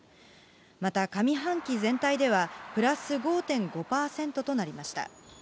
また、上半期全体ではプラス５．５％となりました。